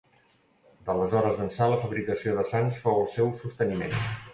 D'aleshores ençà la fabricació de sants fou el seu sosteniment.